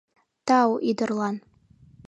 Тау ӱдырлан.